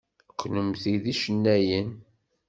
Kennemti d ticennayin?